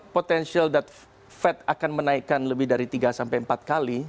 potential that fed akan menaikkan lebih dari tiga sampai empat kali